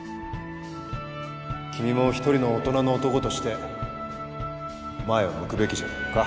君も一人の大人の男として前を向くべきじゃないのか？